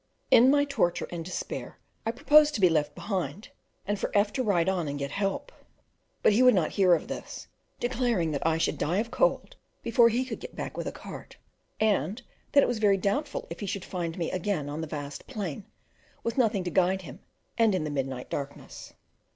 In my torture and despair, I proposed to be left behind, and for F to ride on and get help; but he would not hear of this, declaring that I should die of cold before he could get back with a cart, and that it was very doubtful if he should find me again on the vast plain, with nothing to guide him, and in the midnight darkness.